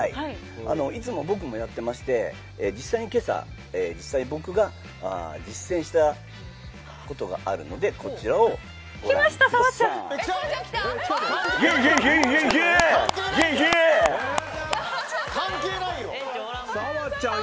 いつも僕もやってまして実際に今朝僕が実践したことがあるのでこちらをご覧ください。来ました、さわちゃん！